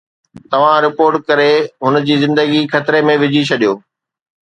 توهان رپورٽ ڪري هن جي زندگي خطري ۾ وجهي ڇڏيو